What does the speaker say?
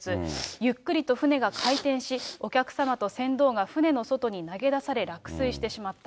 ゆっくりと船が回転し、お客様と船頭が船の外に投げ出され落水してしまった。